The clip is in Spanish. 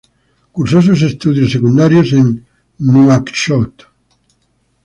Cursó sus estudios secundarios en Nuakchot.